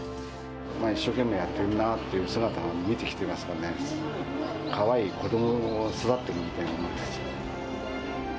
一生懸命やってるなっていう姿は見てきてますからね、かわいい子どもが巣立っていくみたいなもんですよ。